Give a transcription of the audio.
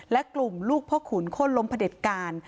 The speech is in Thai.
และกลุ่มลูกพ่อขุนโคลมพเด็ดการ